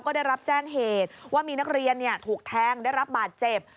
ก็ได้รับแจ้งเหตุว่ามีนักเรียนถูกแทงได้รับบาดเจ็บ